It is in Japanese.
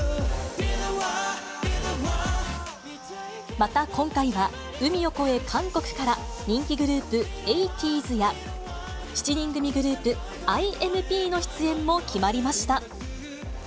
また今回は、海を越え、韓国から人気グループ、ＡＴＥＥＺや、７人組グループ、ＩＭＰ．の出演も決まりました。